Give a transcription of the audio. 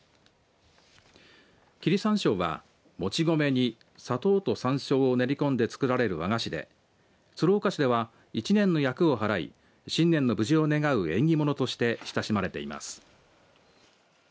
切山椒は、もち米に砂糖とさんしょうを練り込んで作られる和菓子で、鶴岡市では１年の厄をはらい、新年の無事を願う縁起物として親しまれています。